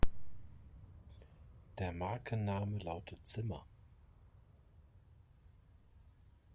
Der Markenname lautet "Zimmer".